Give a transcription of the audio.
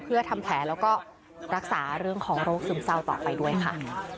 เพื่อทำแผลแล้วก็รักษาเรื่องของโรคซึมเศร้าต่อไปด้วยค่ะ